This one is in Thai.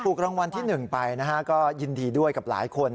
ถูกรางวัลที่๑ไปนะฮะก็ยินดีด้วยกับหลายคน